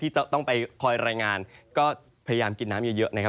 ต้องไปคอยรายงานก็พยายามกินน้ำเยอะนะครับ